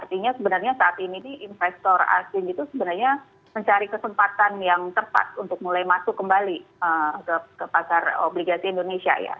artinya sebenarnya saat ini investor asing itu sebenarnya mencari kesempatan yang tepat untuk mulai masuk kembali ke pasar obligasi indonesia ya